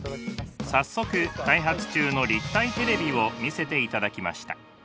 早速開発中の立体テレビを見せていただきました。